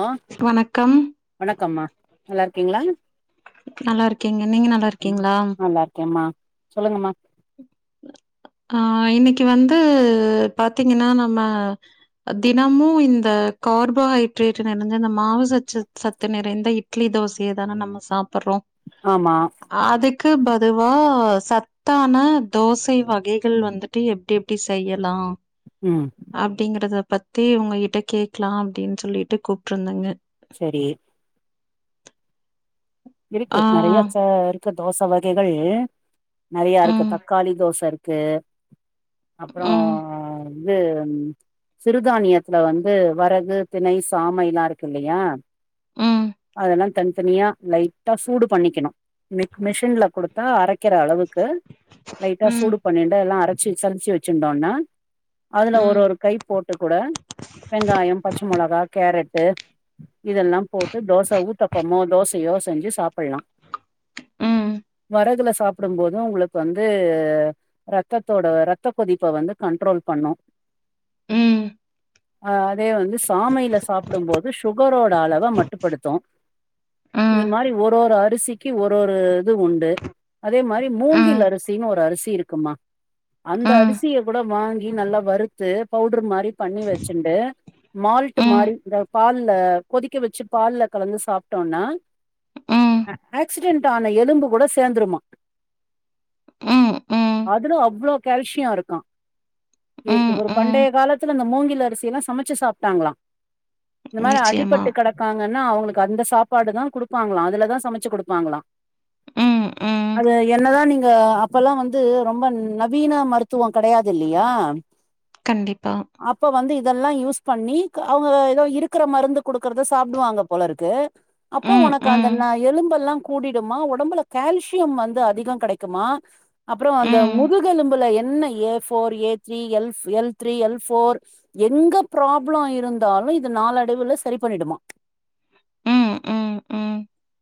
ஆ வணக்கம் வணக்கம்மா நல்லா இருக்கீங்களா நல்லா இருக்கேங்க நீங்க நல்லா ம் இருக்கீங்களா நல்லா இருக்கேமா சொல்லுங்கம்மா ஆ இன்னைக்கி வந்து பாத்தீங்கன்னா நம்ம அ தினமு இந்த கார்போஹைட்ரேட்டு நெறஞ்ச இந்த மாவு சச் சத்து நிறைந்த இட் இட்லி தோசய தான நம்ம சாப்புறோ ஆமா அதுக்கு பதுவா சத்தான தோசை வகைகள் வந்துட்டு எப்படி எப்படி செய்யலாம் ம் அப்படிங்கறத பத்தி உங்க கிட்ட கேக்லாம் அப்படின்னு சொல்லிட்டு கூப்பிட்டுருந்தங்க சரி இருக்கு ஆ நிறைய ச இரு தோசை வகைகள் நிறையா இருக்கு ம் தக்காளி தோசை இருக்கு ம் அப்புறம் இது சிறுதானியத்துல வந்து வரகு திணை சாமை லா இருக்கு இல்லையா ம் அதெல்லாம் தனித்தனியா லைட் டா சூடு பண்ணிக்கனும் மிஷின்ல குடுத்தா அரைக்கற அளவுக்கு லைட்டா ம் சூடு பண்ணின்டு எல்லாம் அரைச்சி சலிச்சி வச்சிருந்தோம்னா அதுல ஒரு ம் ஒரு கை போட்டு கூட வெங்காயம் பச்சை மிளகா கேரட்டு இதெல்லாம் போட்டு தோசை ஊத்தப்பமோ தோசையோ செஞ்சு சாப்பிடலாம் ம் படகுல சாப்பிடும் போதும் உங்களுக்கு வந்து ரத்தத்தோட ரத்த கொதிப்ப வந்து கண்ட்ரோல் பண்ணும் ம் ஆஹ் அதே வந்து சாமையில சாப்பிடும்போது சுகரோட அளவை மட்டுப்படுத்தும் இது ம் மாதிரி ஒரு ஒரு அரிசிக்கு ஒரு ஒரு இது உண்டு அதே மாதிரி ம் மூங்கில் அரிசின்னு ஒரு அரிசி இருக்குமா அந்த ம் அரிசிய கூட வாங்கி நல்லா வறுத்து பவுடர் மாறி பண்ணி வச்சுன்டு மால்ட் மாறி ம், இந்த பால்ல கொதிக்க வச்சு பால்ல கலந்து சாப்பிட்டோன்னா ம், ஆக்சிடென்ட் ஆன எலும்பு கூட சேர்ந்துருமா ம், ம், அதுல அவ்ளோ கால்சியம் இருக்கா ம், ஒரு பண்டைய ம். காலத்துல அந்த மூங்கில் அரிசிலாம் சமைச்சு சாப்பிட்டாங்களாம் இந்த மாறி நிச்சயமா. அடிபட்டு கிடக்காங்கன்னா அவுங்களுக்கு அந்த சாப்பாடு தான் குடுப்பாங்களாம் அதுலதான் சமைச்சு குடுப்பாங்களாம் ம், ம். அது என்னதான் நீங்க அப்பல்லாம் வந்து ரொம்ப நவீன மருத்துவம் கிடையாது இல்லையா கண்டிப்பா அப்ப வந்து இதெல்லாம் யூஸ் பண்ணி அவங்க ஏதோ இருக்கற மருந்து குடுக்குறத சாப்பிடுவாங்க போலருக்கு அப்போ ம், உனக்கு அந்த ந ம், எலும்ப எல்லாம் கூடிடுமா உடம்புல கால்சியம் வந்து அதிகம் கிடைக்குமா அப்புறம் அந்த ம், முதுகெலும்புல என்ன A four A three L L three L four எங்க ப்ராப்ளம் இருந்தாலும் இது நாலடைவுல சரி பண்ணிடுமா ம், ம், ம்.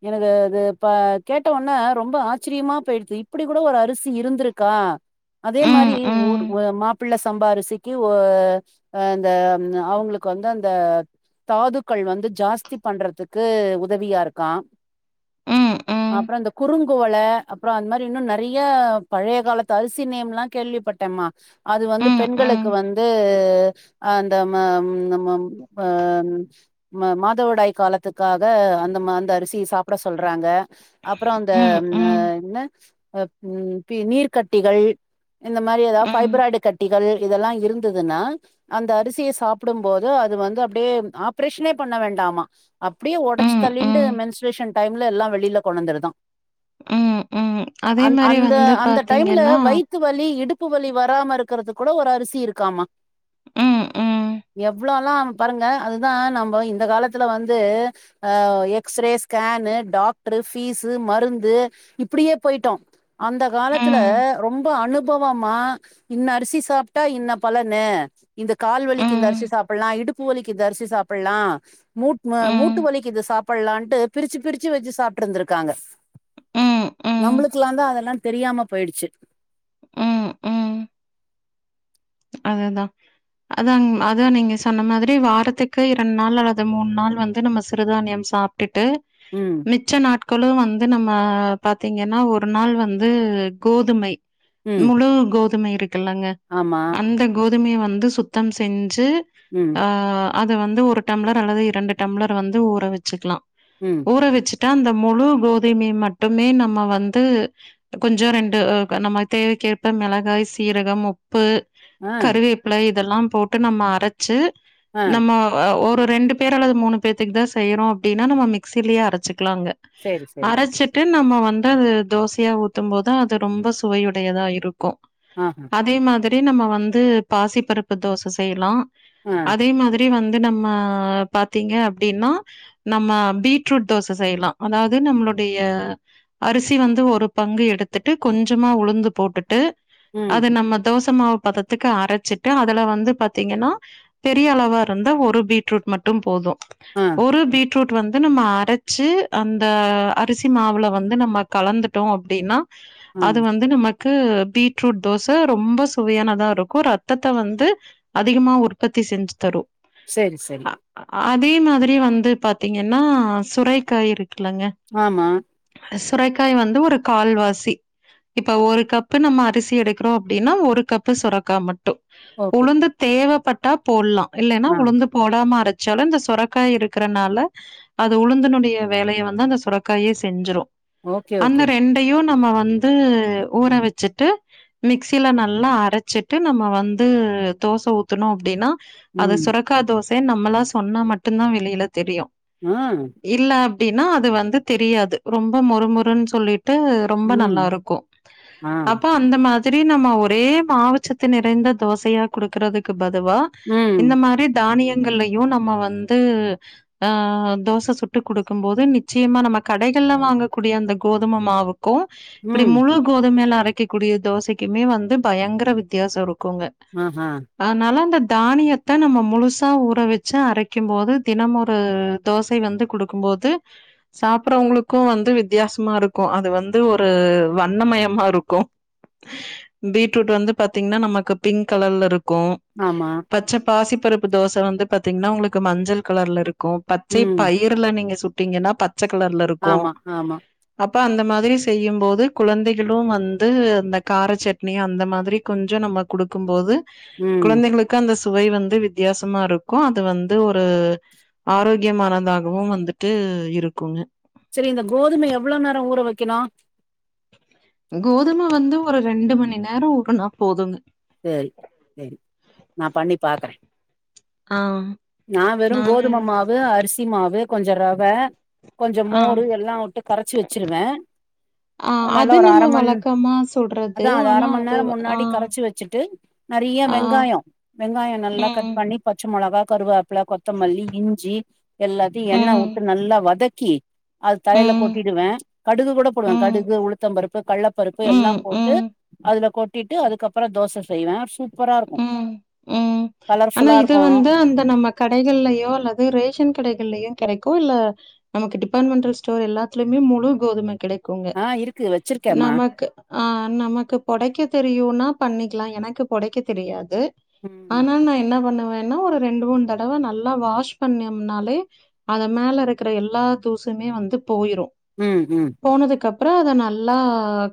எனக்கு அது கேட்ட உனே ரொம்ப ஆச்சரியமா போயிடுது இப்படி கூட ஒரு அரிசி இருந்திருக்கா அதே மாதிரி ம், ம், ஒர் மாப்பிள்ளை சம்பாரிசிக்கு ஒ அஹ் அந்த அவங்களுக்கு வந்து அந்த தாதுக்கள் வந்து ஜாஸ்தி பண்றதுக்கு உதவியா இருக்கா ம், ம், அப்புறம் இந்த குறுங்குுவலை அப்புறம் அந்த மாறி இன்னும் நிறைய பழைய காலத்து அரிசி நேம்லாம் கேள்விப்பட்டேம்மா அது ம், வந்து ம், பெண்களுக்கு ம், வந்து அந்த நம்ம அஹ் மாதவிடாய் காலத்துக்காக அந்த அந்த அரிசி சாப்பிட சொல்றாங்க அப்புறம் அந்த ம், ம், என்ன நீர் கட்டிகள் இந்த மாதிரி ஏதாவது ம், ஃபைபராய்டு கட்டிகள் இதெல்லாம் இருந்ததுன்னா அந்த அரிசியை சாப்பிடும் போது அது வந்து அப்படியே ஆப்ரேஷனே பண்ண வேண்டாமா அப்டியே ஒடச்சி ம், தள்ளிண்டு மென்சுரேஷன் டைம்ல எல்லா வெளில கொன்னந்திருதா ம், ம். அதே மாரி அந்த வந்து அந்த டைம்ல பாத்தீங்கன்னா வயித் த்து வலி இடுப்பு வலி வராம இருக்கறதுக் கூட ஒரு அரிசி இருக்காமா ம், ம், இவால்லா பாருங்க அதுதா நம்ப இந்த காலத்துல வந்து ஆ எக்ஸ்ரே ஸ்கேனு டாக்ட்ரு ஃபீஸ்சு மருந்து இப்டியே போயிட்டோ அந்த காலத்துல ம், ரொம்ப அனுபவமா இன்ன அரிசி சாப்ட்டா இன்ன பலனு இந்த ம், கால்வலிக்கு இந்த அரிசி ம், சாப்பிட்லா இடுப்பு வலிக்கு இந்த அரிசி சாப்பிட்லா மூட் மூட் ம், இது சாப்பிட்லான்ட்டு பிரிச்சு பிரிச்சு வெச்சு சாப்ட் இருந்திருக்காங்க ம், நம்ளுக் ஏந்தா அதெல்லா தெரியாம பொய்டுச்சு ம், அவல்தா அதான் ம் அதான் நீங்க சொன்ன மாதிரி வாரத்துக்கு இரண்டு நாள் அல்லது மூணு நாள் வந்து நம்ம சிறுதானியம் சாப் டுட்டு ம் மிச்ச நாட்களு வந்து நம்ம பாத்தீங்கனா ஒரு நாள் வந்து கோதுமை ம் முழு கோதுமை இருக்குலங்க ஆமா அந்த கோதுமைய வந்து சுத்தம் செஞ்சு ம் ஆ அது வந்து ஒரு டம்ளர் அல்லது இரண்டு டம்ளர் வந்து ஊற வெச்சுக்கலா ம் ஊற வெச்சுட்டா அந்த முழு கோதுமை மட்டுமே நம்ம வந்து கொஞ்சொ ரெண்டு ஆ க நம்ம தேவைக்கேற்ப மிளகாய் சீரகம் உப்பு ஆ கருவேப்பில இதெல்லா போட்டு நம்ம அரைச்சு ஆ நம்ம ஆ ஒரு ரெண்டு பேரு அல்லது மூணு பேத்துக்கு தா செய்றோ அப்டினா நம்ம மிக்ஸ்சிலே அரைச்சிக்லாங்க சரி சரி அரைச்சி ட்டு நம்ம வந்து அது தோசையா ஊத்து போது அது ரொம்ப சுவையுடையதா இருக்கு ஆ ஹூ தே மாதிரி நம்ம வந்து பாசி பருப்பு தோச செய்யலா ஆ அதே மாதி ரி வந்து நம்ம பாத்திங்க அப்டினா நம்ம பீட்ரூட் தோச செய்யலா அதாவது நம்முடைய அரிசி வந்து ஒரு பங்கு எடுத்துட்டு கொஞ்சமா உளுந்து போட்டுட்டு ம் அது நம்ம மாவ் பதத்துக்கு அரச்சிட்டு அதுல வந்து பத்தீங்கனா பெரிய அளவா இருந்தா ஒரு பீட்ரூட் மட்டு போது ஆ ஒரு பீட் ரூட் வந்து நம்ம அரச்சி அந்த அரிசி மாவுல வந்து நம்ம கலந்துட்டோ அப்டினா ஆ அது வந்து நமக்கு பீட்ரூட் தோச ரொம்ப சுவையானதா இருக்கு ரத்தத்த வந்து அதிகமா உற்பத்தி செஞ்சு தரு செரி சரி அதே மாதிரி வந்து பாத்தீங்கனா சுரைக்காய் இருக்குலங்க ஆமா சுரைக்காய் வந்து ஒரு கால்வாசி இப்ப ஒரு கப்பு நம்ம அரிசி எடுக்றோ அப்டினா ஒரு கப்பு சுரக்கா மட்டு ஓகே உளுந்து தேவப்பட்டா போட்லா இல்லனா ஆ உளுந்து போடாம அரைச்சாலு இந்த சுரைக்காய் இருக்குறனால இது உளுந்துனுடைய வேலைய வந்து அந்த சுரக்காயே செஞ்சிரு ஓகே அந்த ஓகே ரெண்டையு நம்ம வந்து ஊற வச்சுட்டு மிக்சில நல் நல்லா அரச்சிட்டு நம்ம வந்து தோச ஊத்தணு அப்டின்னா அது சுர ம் சுரக்கா தோச நம்மள சொன்னா மட்டுதா வெளியில தெரியு ம் இல்ல அப்டின்னா அது வந்து தெரியாது ரொம்ப மோருமோருன்னு சொல்லிட்டு ரொம்ப ம் நல்லா இருக்கு ஆ அப்போ அந்த மாரி நம்ம ஒரே மாவுச்சத்து நெறந்த தோசையா குடுக்குறதுக்கு பதுவா ம் இந்த மாரி தானியங்கள்லையு நம்ம வந்து ஆ தோச சுட்டு கொடுக்கு போது நிச்சயமா நம்ம கடகள்ல வாங்கக்கூடிய அந்த கோதுமாவு இருக்கு இப்டி ம் முழு கோதுமை லா அரைக்கக்கூடிய தோசைக்குமே வந்து பயங்கர வித்தியாச இருக்குங்க ஆகா அதனால அந்த தானியத்த நம்ம முழுசா ஊற வச்சு அரைக்கு போது தினமு ஒரு தோச வந்து கொடுக்கு போது சாப்புறவங்களுக்கு வந்து வித்தியாசமா இருக்கு அது வந்து ஒரு வண்ணமயமா இருக்கு பீட்ரூட் வந்து பாத்தீங்கனா நமக்கு பிங்க் கலர்லஇருக்கு ஆமா பச்ச பாசி பருப்பு தோச வந்து பாத்தீங்கன்னா உங்களுக்கு மஞ்சள் கலர்ல இருக்கு பச்சை ம் பை [unintelligible] நீங்க சுட்டீங்கன்னா பச்ச கலர்ல இருக்கு ஆமா ஆமா அப்ப அந்த மாரி செய்யு போது குழந்தைகளு வந்து அந்த காரச்சட் அந்த மாரி கொஞ்சோ நம்ம குடுக்கு போது ம் குழந்தைங்களு க்கு அந்த சுவை வந்து வித்தியாசமா இருக்கு அது வந்து ஒரு ஆரோக்கியமானதாகவு வந்துட்டு இருக்குங்க சேரி இந்த கோதுமை எவ்ளோ நேரோ ஊற வக்கனோ கோதும வந்து ஒரு ரெண்டு மணி நேரோ ஊரனா போதுங்க சேரி சேரி நா பண்ணி பாக்கறே ஆ நா வெறு நானு கோதும மாவு அரிசி மாவு கொஞ்சோ ரவ கொஞ்சோ ஆ. மோரு எல்லாவுட்டு கரச்சி வெச்சிருவே ஆ நல்லா அது ஒரு நம்ம அரமண் வழக்கமா சொல்றது. அதா அது ஆனா அரமண் நேரோ ஆ, முன்னாடி கரச்சி வச்சிட்டு நெறிய ஆ, வெங்காயோ வெங்காயோ நல்லா ம், கட் பண்ணி பச்ச மொளகா கருவாப்பில கொத்தமல்லி இஞ்சி எல்லாத்தையு ம், எண்ணவுட்டு நல்லா வதக்கி அது தலையில ம், கொட்டிடுவ கடுகு கூட போடுவ ம், கடுகு உளுத்த பருப்பு கல்லப்பருப்பு எல்லா ம், போட்டு ம், அதுலா கொட்டிட்டு அதுக்கப்றோ தோச செய்வ சூப் சூப்பரா இருக்கு ம், ம். கலர்ஃபுல்லா இருக்கு கடகள்லயோ அல்லது ரேஷன் கடகள்லயு கெடைக்கோ இல்ல நமக்கு டிபார்ட்மெண்டல் ஸ்டோர் எல்லாத்துலயுமே முழு கோதும கெடைக்குங்க ஆ இருக்கு வச்சிருக்கேம்மா நமக்கு அ நமக்கு பொடைக்க தெரியுன்னா பண்ணிக்கலா எனக்கு பொடைக்க தெரியாது ம் ஆனா நா என்ன பண்ணுவேன்னா ஒரு ரெண்டு மூணு தடவ நல்லா வாஷ் பண்ணோம்னாலே அது மேல இருக்குற எல்லா தூசுமே வந்து போயிறோ ம் ம் போனதுக்கப்றோ அத நல்லா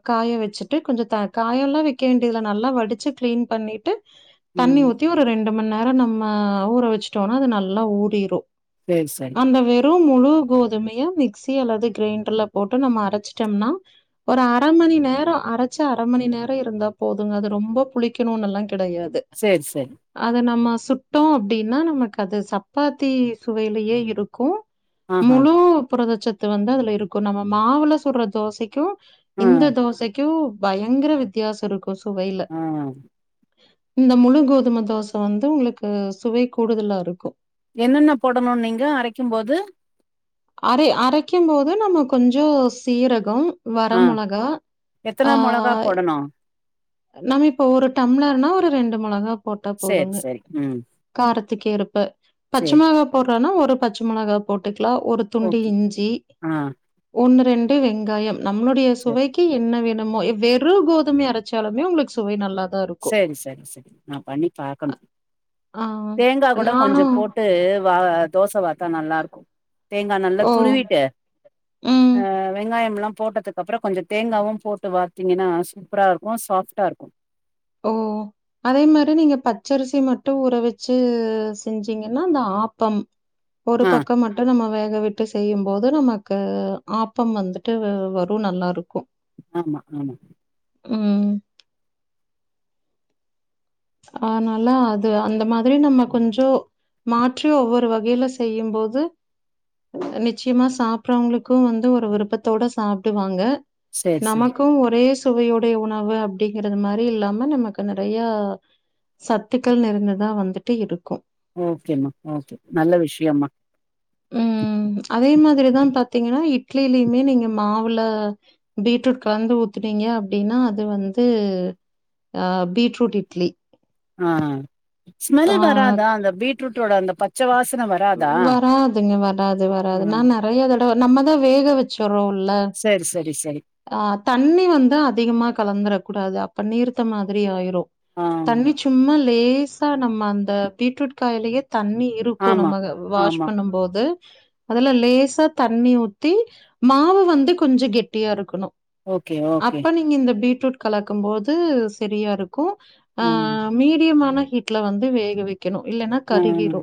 காய வச்சுட்டு கொஞ்சோ த காயல்லா வைக்க வேண்டியதில்ல நல்லா வடிச்சு கிளீன் பண்ணிட் ட்டு தண்ணி ம் ஊத்தி ஒரு ரெண்டு மண் நேரோ நம்ம ஊற வச்சுட்டோன்னா அது நல்லா ஊரிரு சேர் சரி அந்த வெறு முழு கோதுமைய மிக்சி அல்லது கிரைண்டர்ல போட்டு நம்ம அரச்சிட்டோம்னா ஒரு அர மணி நேரோ அரச்சு அர மணி நேரோ இருந்தா போதுங்க அது ரொம்ப புளிக்கனுனல்லா கிடையாது சேர் சரி அத நம்ம சுட்டோ அப்டின்னா நமக்கு அது சப்பாத்தி சுவையிலயே இருக்கு ஆஹா முழு புரதச்சத்து வந்து அதுல இருக்கு நம்ம மாவுல சுட்ற தோசைக்கு ஆ இந்த தோசைக்கு பயங்கர வித்தியாசோ இருக்கு சுவையில அ இந்த முழு கோதும தோச வந்து உங்களுக்கு சுவை கூடுதலா இருக்கு என்னென்ன போடனுன்னீங்க அரைக்கும் போது அரை அரைக்கும் போது நம்ம கொஞ்சோ சீரகம் வர ஆ மொளகா அ எத்தன மொளகா போடணு நம்ம இப்ப ஒரு டம்ளர்னா ஒரு ரெண்டு மொளகா போட்டா சேரி போதுங்க சேரி ம் காரத்துக்கு ஏர்ப்ப பச்ச சேரி மொளகா போடுறன்னா ஒரு பச்ச மொளகா போட்டுக்கலா ஒரு துண்டு ஓகே இஞ்சி ஆ ஒன்னு ரெண்டு வெங்காயம் நம்மளுடைய சேரி சுவை க்கி என்ன வேணுமோ வெறு கோதுமை அரைச்சாலுமே உங்களுக்கு சுவை நல்லா தான் இருக்கும். சேரி சரி சரி நா பண்ணி பாக்கனு ஆ. தேங்கா கூட கொஞ்சப் நானும் போட்டு வா தோச வாத்தா நல்லா இருக்கு தேங்கா நல்லா ஓ! துருவிட்டு ம். அ வெங்காயம்லா போட்டதுக் க்கப்றோ கொஞ்ச தேங்காவு போட்டு வாத்திங்கன்னா சூப்பரா இருக்கு சாஃப்ட்டா இருக்கு ஓ! அதே மாறி நீங்க பச்சரிசி மட்டு உற வெச்சு செஞ்சீங்கன்னா அந்த ஆப்பம் ஒரு ஆ பக்கம் மட்டும் நம்ம வேக விட்டு செய்யும் போது நம க்கு ஆப்பம் வந்துட்டு வரு நல்லாருக்கு ஆமா ஆமா ம் அதனால அது அந்த மாதிரி நம்ம கொஞ்சோ மாற்றி ஒவ்வொரு வகையில செய்யும் போது நிச்சயமா சாப்பறவங்களுக்கு வந்து ஒரு விருப்பத்தோட சாப்டுவாங்க சேரி சேரி நமக்கு ஒரே சுவையோடைய உணவு அப்படிங்கறது மாறி இல்லாம நமக்கு நறையா சத்துக்கள் நிறைந்ததா வந்துட்டு இருக்கு ஓகேம்மா ஓகே நல்ல விஷயம்மா ம் அதே மாதிரிதா பாத்தீங்கன்னா இட்லிலயுமே நீங்க மாவுல பீட்ரூட் கலந்து ஊத்துனீங்க அப்டின்னா அது வந்து ஆ பீட்ரூட் இட்லி ஆ ஆ ஸ்மெல் வராதா அந்த பீட்ரூட்டோட அந்த பச்ச வாசன வ வராதுங்க வராது வராது ஆ நான் நறைய தடவ நம்மதா வேக வச்சறோல்ல சேர் சரி சரி ஆ தண்ணி வந்து அதிகமா கலந்துர கூடாது அப்ப நீர்த்த மாதிரி ஆயிரு ஆ தண்ணி சும்மா லேசா நம்ம அந்த பீட்ரூட் காய்லயே தண்ணி இரு இருக்கு ஆமா நம்ம அத ஆமா வாஷ் ஆமா பண்ணும் போது அதுல லேசா தண்ணி ஊத்தி மாவு வந்து கொஞ்ச கெட்டியா இருக்கணு ஓகே ஓகே அப்ப நீங்க இந்த பீட்ரூட் கலக்கும் போது சரியா இருக்கு ஆ ம் மீடியமான ஹீட்ல வந்து வேக வெக்கணு இல்லன்னா ம் கருகிரு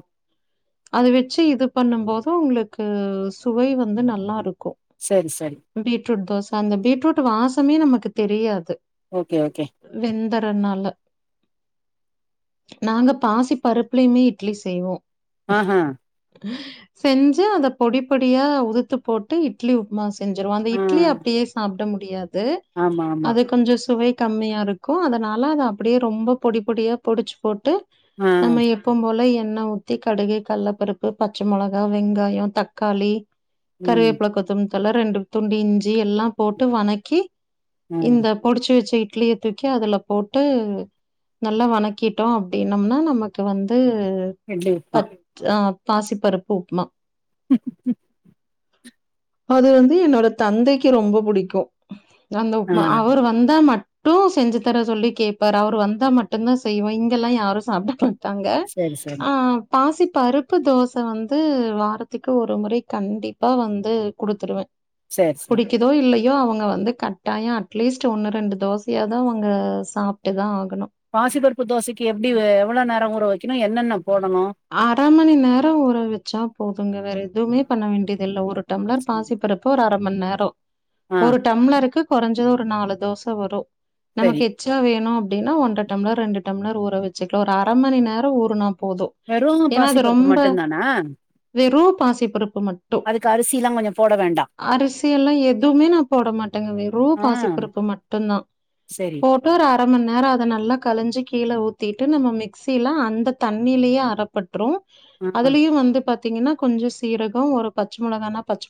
அது வெச்சு இது பண்ணும் போது உங்ளுக்கு சுவை வந்து நல்லாருக்கு சரி சரி பீட்ரூட் தோச அந்த பீட்ரூட் வாசமே நமக்கு தெரியாது ஓகே ஓகே வெந்தரனால நாங்க பாசிப் பருப்புலயுமே இட்லி செய்வோ ஆஹ செஞ்சு அத பொடிப் பொடியா உதுத்து போட்டு இட்லி உப்புமா செஞ்சருவம் அந்த இ ஆ இட்லி அப்டியே சாப்ட முடியாது ஆமா ஆமா அது கொஞ்ச சுவை கம்மியா இருக் க்கும் அதனால அத அப்டியே ரொம்ப பொடி பொடியா பொடிச்சு போட்டு ஆ நம்ம எப்பம் போல எண்ணெ ஊத் த்தி கடுகே கல்ல பருப்பு பச்ச மொளகா வெங்காயோ தக்காளி ம் கருவேப்பழ கொத்த தழ ரெண்டு துண்டி இஞ்சி எல்லா போட்டு வனக்கி ஆ இந்தப் பொடிச்சு வச்ச இட்லிய தூக்கி அதுல போட்டு நல்லா வணக்கீட்டோ அப்டின்னம்னா நமக்கு வந்து இட்லி உப்மா ஆ பாசிப்பருப்பு உப்மா [inaudible] அது வந்து என்னோட தந்தைக்கு ரொம்ப புடிக்கு தா அந்த ஆ உப்மா அவர் வந்தா ம ட்டு செஞ்சு தர சொல்லி கேப்பாரு அவர் வந்தா மட்டுதா செய்வோ இங்கெல்லா யாரு சாப்ட மாட் டாங்க சரி சரி ஆ பாசிப் பருப்பு தோச வந்து வாரத்துக்கு ஒரு முறை கண்டிப்பா வந்து குடுத்துருவே சேர் சே கிதோ இல்லையோ அவங்க வந்து கட்டாயோ அட்லீஸ்ட் ஒன்னு ரெண்டு தோசையாது அவங்க சாப்ட்டு தா ஆகணு பாசிபருப்பு தோசைக்கு எப்டி எவ்ளோ நேர ஊறவெக்கணு என்னென்ன போடணு அர மணி நேர ஊற வெச்சா போதுங்க வேற எதுவுமே பண்ண வேண்டியது இல்ல ஒரு ஒரு டம்லர் பாசி பருப்பு ஒரு அர மண்நேரோ ஆ ஒரு டம்ளருக்கு குறைஞ்சது ஒரு நாலு தோச வரு சரி நமக்கு எச்சா வேணு அப்டின்னா ஒன்ற டம்ளர் ரெண்டு டம்ளர் ஊற வெச்சுக்கலா ஒரு அர மணி நேரோ ஊறனா போது வெறு ஏன்னா பாசி அது பருப்பு ரொம்ப மட்டு தானா வெறு பாசிப்பருப்பு மட்டு அரிசிலா கொஞ்சோ போட வேண்டா அரிசியெல்லா எதுவுமே நா போட மாட்டேங்க வெறு ஆ பாசிப்பருப்பு மட்டுதா சரி போட்டு ஒரு அரமண்நேரோ அத நல்லா கழஞ்சி கீழே ஊத்திட்டு நம்ம மிக்சில அந்த தண்ணிலயே அ பற்று ஆ அதுலயு வந்து பாத்தீங்கனா கொஞ்ச சீரகோ ஒரு பச்ச மொளகானா பச்ச மொளகா